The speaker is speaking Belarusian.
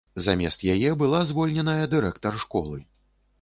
Замест яе была звольненая дырэктар школы.